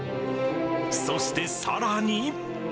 そして、さらに。